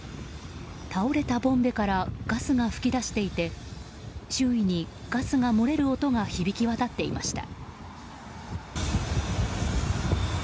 倒れたボンベからガスが噴き出していて周囲にガスが漏れる音が響き渡っていました。